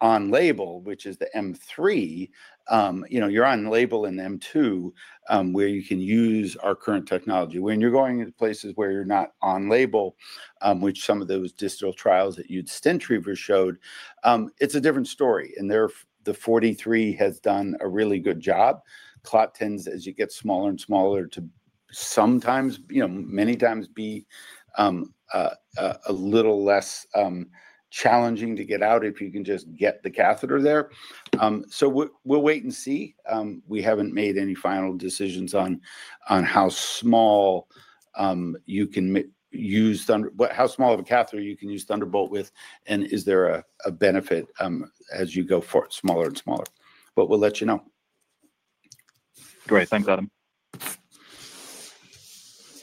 on label, which is the M3, you're on label in M2 where you can use our current technology. When you're going into places where you're not on label, which some of those distal trials that you'd stint treatment showed, it's a different story. And the 43 has done a really good job. Clot tends as you get smaller and smaller to sometimes, many times be a little less challenging to get out if you can just get the catheter there. So we'll wait and see. We haven't made any final decisions on how small you can use how small of a catheter you can use Thunderbolt with, and is there a benefit as you go smaller and smaller. But we'll let you know. Great. Thanks, Adam.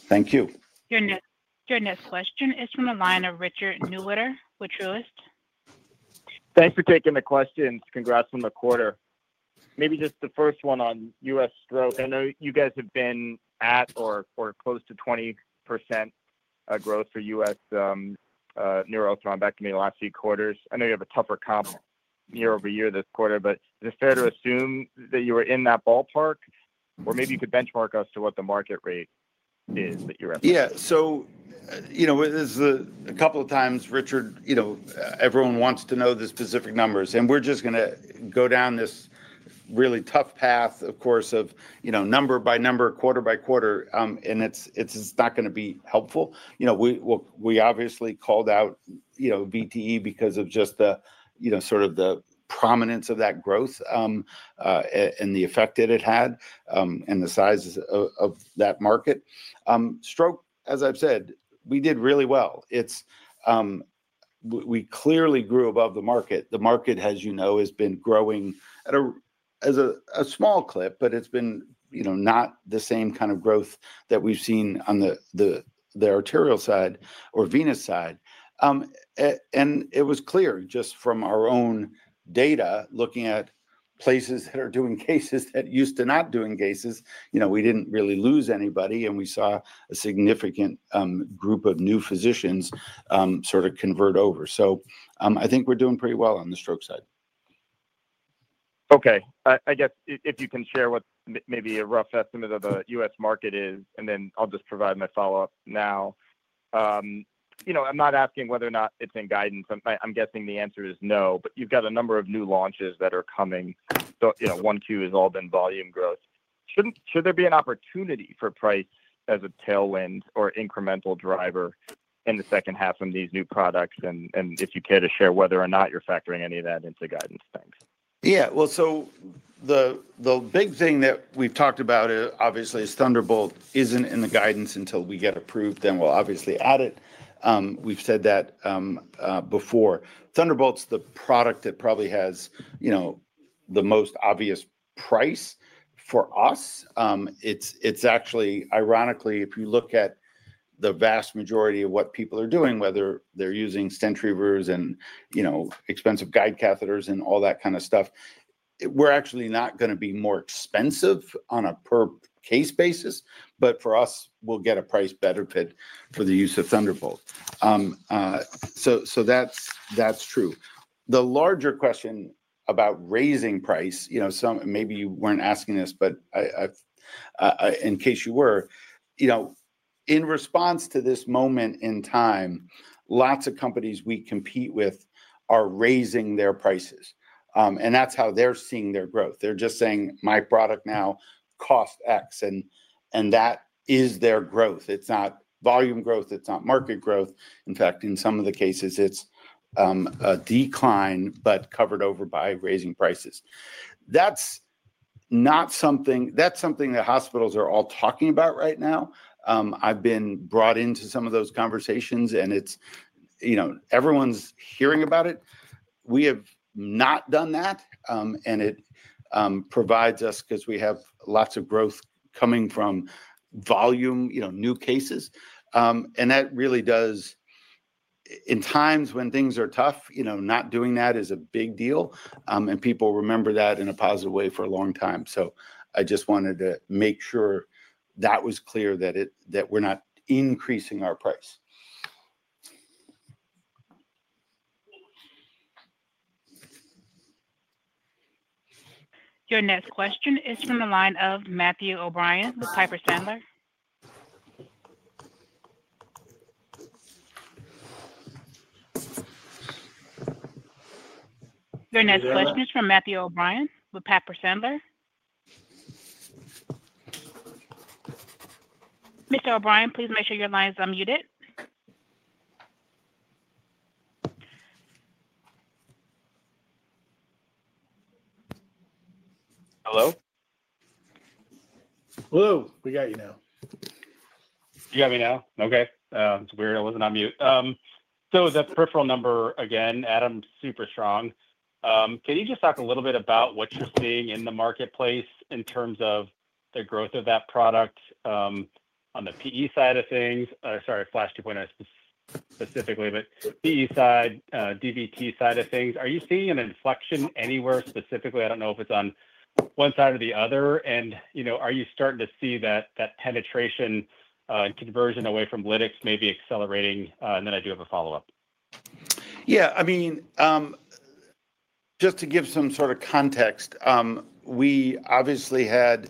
Thank you. Your next question is from the line Richard Newitter with Truist Securities. Thanks for taking the questions. Congrats on the quarter. Maybe just the first one on U.S. stroke. I know you guys have been at or close to 20% growth for U.S. neuro-thrombectomy the last few quarters. I know you have a tougher comp year over year this quarter, but is it fair to assume that you were in that ballpark? Or maybe you could benchmark us to what the market rate is that you're at? Yeah. A couple of times, Richard, everyone wants to know the specific numbers. We're just going to go down this really tough path, of course, of number by number, quarter by quarter, and it's not going to be helpful. We obviously called out VTE because of just sort of the prominence of that growth and the effect that it had and the size of that market. Stroke, as I've said, we did really well. We clearly grew above the market. The market, as you know, has been growing at a small clip, but it's been not the same kind of growth that we've seen on the arterial side or venous side. It was clear just from our own data looking at places that are doing cases that used to not doing cases. We didn't really lose anybody, and we saw a significant group of new physicians sort of convert over. I think we're doing pretty well on the stroke side. Okay. I guess if you can share what maybe a rough estimate of the U.S. market is, and then I'll just provide my follow-up now. I'm not asking whether or not it's in guidance. I'm guessing the answer is no, but you've got a number of new launches that are coming. 1Q has all been volume growth. Should there be an opportunity for price as a tailwind or incremental driver in the second half from these new products? If you care to share whether or not you're factoring any of that into guidance, thanks. Yeah. The big thing that we've talked about obviously is Thunderbolt isn't in the guidance until we get approved. We'll obviously add it. We've said that before. Thunderbolt's the product that probably has the most obvious price for us. It's actually, ironically, if you look at the vast majority of what people are doing, whether they're using stent retriever and expensive guide catheters and all that kind of stuff, we're actually not going to be more expensive on a per-case basis, but for us, we'll get a price benefit for the use of Thunderbolt. That's true. The larger question about raising price, maybe you weren't asking this, but in case you were, in response to this moment in time, lots of companies we compete with are raising their prices. That's how they're seeing their growth. They're just saying, "My product now costs X." That is their growth. It's not volume growth. It's not market growth. In fact, in some of the cases, it's a decline, but covered over by raising prices. That's something that hospitals are all talking about right now. I've been brought into some of those conversations, and everyone's hearing about it. We have not done that, and it provides us because we have lots of growth coming from volume, new cases. That really does, in times when things are tough, not doing that is a big deal. People remember that in a positive way for a long time. I just wanted to make sure that was clear that we're not increasing our price. Your next question is from the line of Matthew O'Brien, Piper Sandler. Mr. O'Brien, please make sure your line is unmuted. Hello? Hello. We got you now. You got me now? Okay. It's weird. I wasn't on mute. So the peripheral number again, Adam, super strong. Can you just talk a little bit about what you're seeing in the marketplace in terms of the growth of that product on the PE side of things? Sorry, Flash 2.0 specifically, but PE side, DVT side of things. Are you seeing an inflection anywhere specifically? I don't know if it's on one side or the other. Are you starting to see that penetration and conversion away from lytics maybe accelerating? I do have a follow-up. Yeah. I mean, just to give some sort of context, we obviously had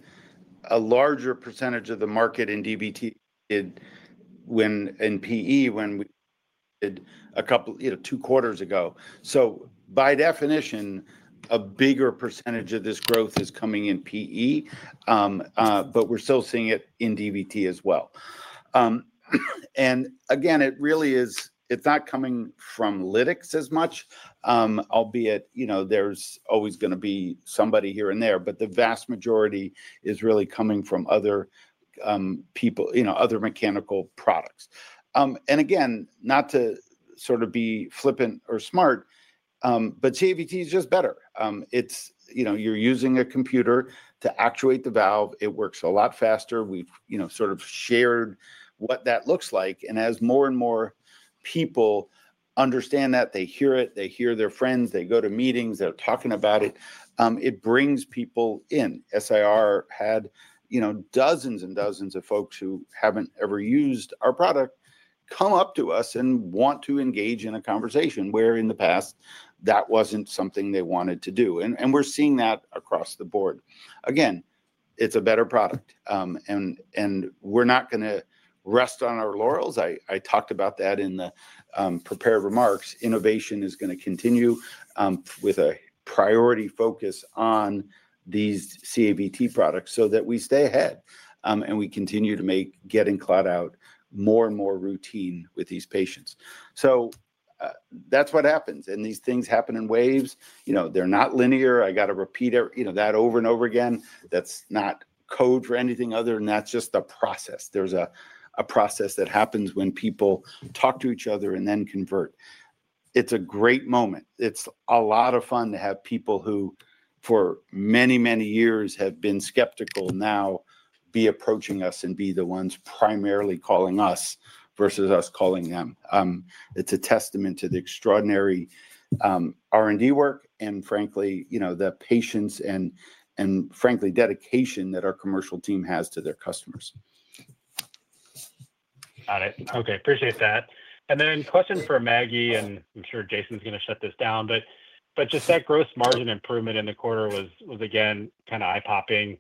a larger percentage of the market in DVT and PE when we did a couple two quarters ago. By definition, a bigger percentage of this growth is coming in PE, but we're still seeing it in DVT as well. Again, it really is, it's not coming from lytics as much, albeit there's always going to be somebody here and there, but the vast majority is really coming from other people, other mechanical products. Again, not to sort of be flippant or smart, but CAVT is just better. You're using a computer to actuate the valve. It works a lot faster. We've sort of shared what that looks like. As more and more people understand that, they hear it, they hear their friends, they go to meetings, they are talking about it, it brings people in. SIR had dozens and dozens of folks who have not ever used our product come up to us and want to engage in a conversation where in the past, that was not something they wanted to do. We are seeing that across the board. Again, it is a better product. We are not going to rest on our laurels. I talked about that in the prepared remarks. Innovation is going to continue with a priority focus on these CAVT products so that we stay ahead and we continue to make getting clot out more and more routine with these patients. That is what happens. These things happen in waves. They are not linear. I have to repeat that over and over again. That's not code for anything other than that's just a process. There's a process that happens when people talk to each other and then convert. It's a great moment. It's a lot of fun to have people who for many, many years have been skeptical now be approaching us and be the ones primarily calling us versus us calling them. It's a testament to the extraordinary R&D work and, frankly, the patience and, frankly, dedication that our commercial team has to their customers. Got it. Okay. Appreciate that. Then question for Maggie, and I'm sure Jason's going to shut this down, but just that gross margin improvement in the quarter was, again, kind of eye-popping.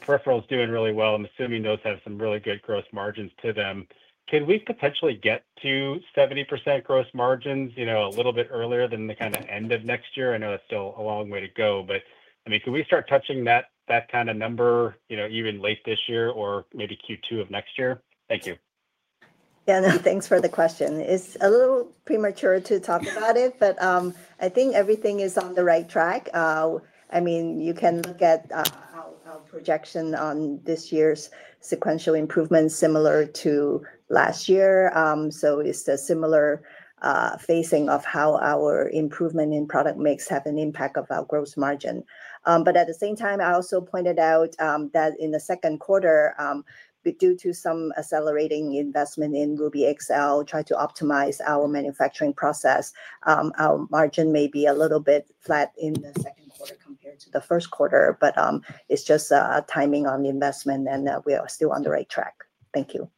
Peripheral's doing really well. I'm assuming those have some really good gross margins to them. Can we potentially get to 70% gross margins a little bit earlier than the kind of end of next year? I know that's still a long way to go, but I mean, could we start touching that kind of number even late this year or maybe Q2 of next year? Thank you. Yeah. Thanks for the question. It's a little premature to talk about it, but I think everything is on the right track. I mean, you can look at our projection on this year's sequential improvement similar to last year. It's a similar phasing of how our improvement in product mix has an impact on our gross margin. At the same time, I also pointed out that in the second quarter, due to some accelerating investment in Ruby XL, trying to optimize our manufacturing process, our margin may be a little bit flat in the second quarter compared to the first quarter, but it's just timing on investment, and we are still on the right track. Thank you.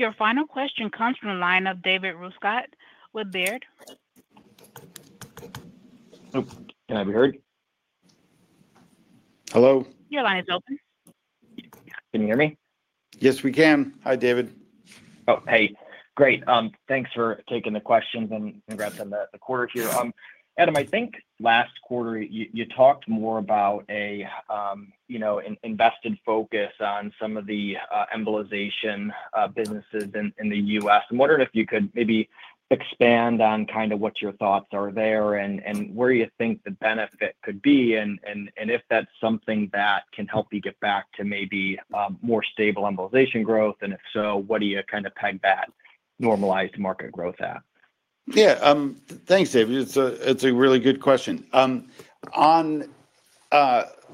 Your final question comes from the line of David Rescott with Baird. Can I be heard? Hello. Your line is open. Can you hear me? Yes, we can. Hi, David. Oh, hey. Great. Thanks for taking the questions and congrats on the quarter here. Adam, I think last quarter, you talked more about an invested focus on some of the embolization businesses in the U.S. I'm wondering if you could maybe expand on kind of what your thoughts are there and where you think the benefit could be and if that's something that can help you get back to maybe more stable embolization growth. If so, what do you kind of peg that normalized market growth at? Yeah. Thanks, David. It's a really good question.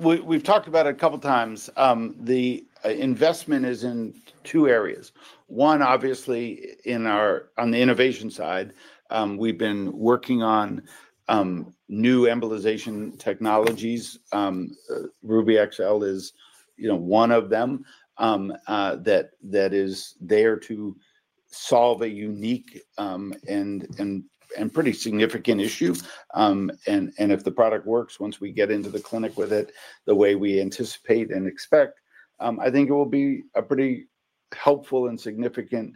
We've talked about it a couple of times. The investment is in two areas. One, obviously, on the innovation side, we've been working on new embolization technologies. Ruby XL is one of them that is there to solve a unique and pretty significant issue. If the product works, once we get into the clinic with it, the way we anticipate and expect, I think it will be a pretty helpful and significant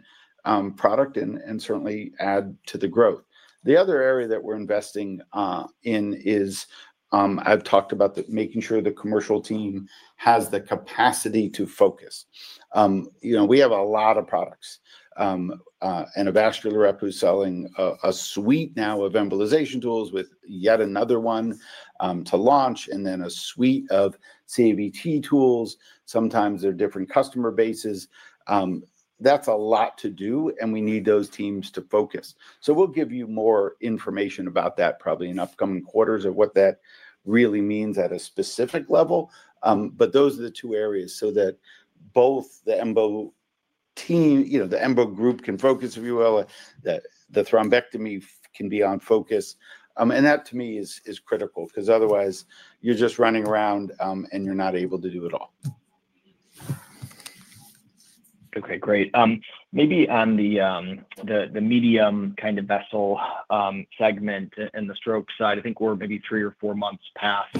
product and certainly add to the growth. The other area that we're investing in is I've talked about making sure the commercial team has the capacity to focus. We have a lot of products. A vascular rep who's selling a suite now of embolization tools with yet another one to launch and then a suite of CAVT tools. Sometimes there are different customer bases. That's a lot to do, and we need those teams to focus. We'll give you more information about that probably in upcoming quarters of what that really means at a specific level. Those are the two areas so that both the embo team, the embo group can focus, if you will, the thrombectomy can be on focus. That, to me, is critical because otherwise, you're just running around and you're not able to do it all. Okay. Great. Maybe on the medium kind of vessel segment and the stroke side, I think we're maybe three or four months past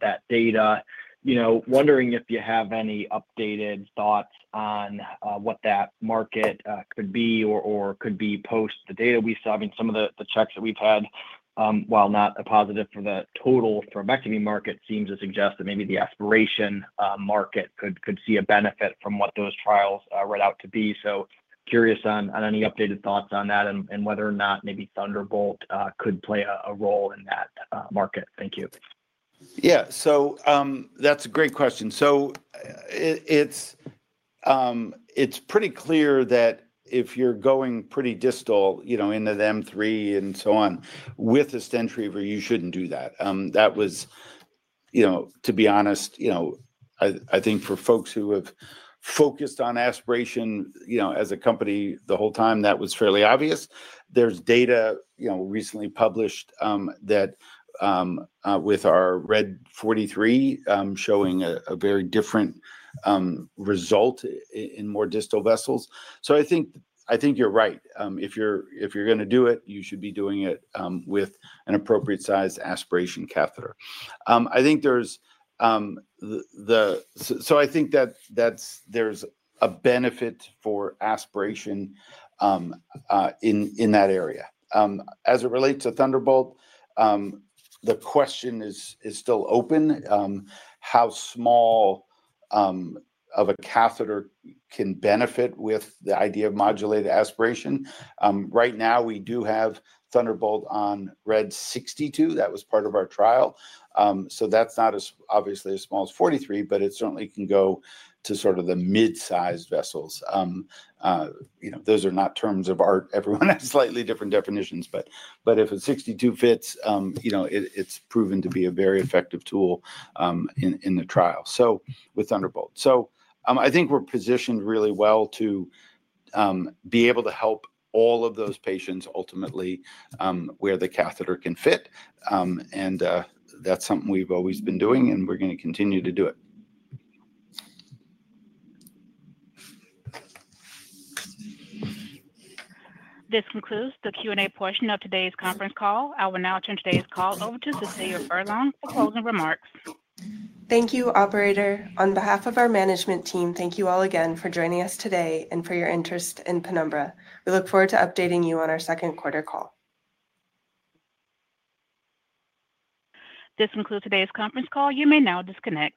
that data. Wondering if you have any updated thoughts on what that market could be or could be post the data we saw. I mean, some of the checks that we've had, while not a positive for the total thrombectomy market, seems to suggest that maybe the aspiration market could see a benefit from what those trials read out to be. I am curious on any updated thoughts on that and whether or not maybe Thunderbolt could play a role in that market. Thank you. Yeah. That's a great question. It's pretty clear that if you're going pretty distal into the M3 and so on with a stent retriever, you shouldn't do that. That was, to be honest, I think for folks who have focused on aspiration as a company the whole time, that was fairly obvious. There's data recently published with our RED 43 showing a very different result in more distal vessels. I think you're right. If you're going to do it, you should be doing it with an appropriate-sized aspiration catheter. I think there's a benefit for aspiration in that area. As it relates to Thunderbolt, the question is still open how small of a catheter can benefit with the idea of modulated aspiration. Right now, we do have Thunderbolt on RED 62. That was part of our trial. That is not obviously as small as 43, but it certainly can go to sort of the mid-sized vessels. Those are not terms of art. Everyone has slightly different definitions. If a 62 fits, it has proven to be a very effective tool in the trial with Thunderbolt. I think we are positioned really well to be able to help all of those patients ultimately where the catheter can fit. That is something we have always been doing, and we are going to continue to do it. This concludes the Q&A portion of today's conference call. I will now turn today's call over to Cecilia Furlong for closing remarks. Thank you, Operator. On behalf of our management team, thank you all again for joining us today and for your interest in Penumbra. We look forward to updating you on our second quarter call. This concludes today's conference call. You may now disconnect.